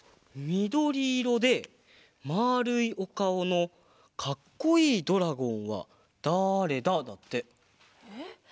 みどりいろでまあるいおかおのかっこいいドラゴン？